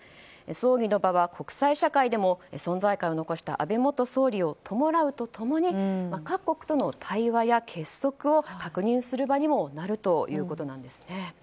葬儀の場は国際社会でも存在感を残した安倍元総理を弔うと共に各国との対話や結束を確認する場にもなるということです。